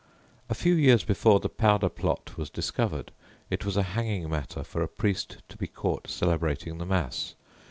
A few years before the "Powder Plot" was discovered, it was a hanging matter for a priest to be caught celebrating the Mass.